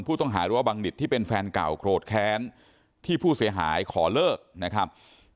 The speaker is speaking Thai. หรือว่าบังนิดที่เป็นแฟนเก่าโกรธแค้นที่ผู้เสียหายขอเลิกนะครับ